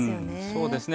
そうですね。